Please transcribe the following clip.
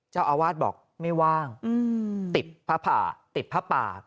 เจ้าอาวาสบอกไม่ว่างติดผ้าผ่าติดผ้าป่า